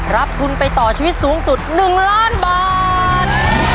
รับทุนไปต่อชีวิตสูงสุด๑ล้านบาท